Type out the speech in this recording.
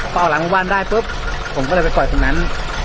พอออกหลังหมู่บ้านได้ปุ๊บผมก็เลยไปปล่อยตรงนั้น